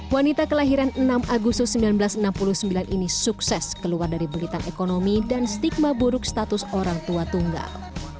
wanita kelahiran enam agustus seribu sembilan ratus enam puluh sembilan ini sukses keluar dari belitan ekonomi dan stigma buruk status orang tua tunggal